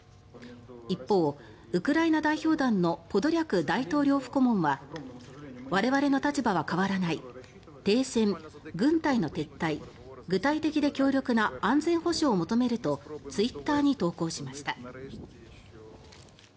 一方、ウクライナ代表団のポドリャク大統領府顧問は我々の立場は変わらない停戦、軍隊の撤退具体的で強力な安全保障を求めるとツイッターに投稿しました。